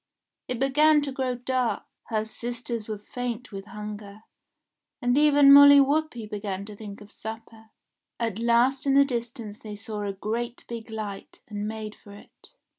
It began to grow dark, her sisters were faint with hunger, and even Molly Whuppie began to think of supper. At last in the distance they saw a great big light, and made for it.